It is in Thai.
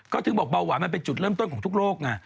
ก็ถึงบอกเบาหวานมันเป็นจุดเริ่มต้นของทุกโลกไง